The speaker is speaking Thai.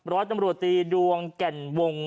ร้อยตำรวจตีดวงแก่นวง